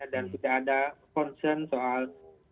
dan tidak ada concern soal